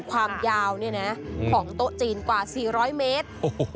ความยาวของโต๊ะจีนกว่า๔๐๐เมตร